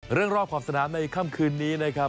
รอบขอบสนามในค่ำคืนนี้นะครับ